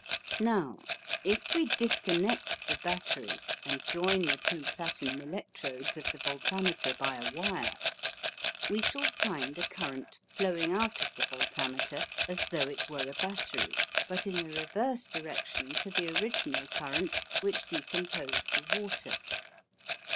Now, if we disconnect the battery and join the two platinum electrodes of the voltameter by a wire, we shall find a current flowing out of the voltameter as though it were a battery, but in the reverse direction to the original current which decomposed the water.